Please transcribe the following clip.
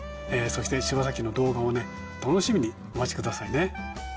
そして、柴崎の動画をね、楽しみにお待ちくださいね。